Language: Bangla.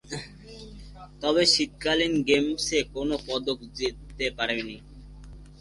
তবে শীতকালীন গেমসে কোন পদক জিততে পারেনি।